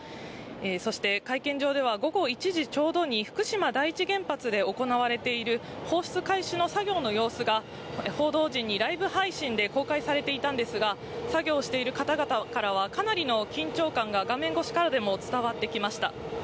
そして、会見場では午後１時ちょうどに福島第一原発で行われている放出開始の作業の様子が、報道陣にライブ配信で公開されていたんですが、作業している方々からは、かなりの緊張感が画面越しからでも伝わってきました。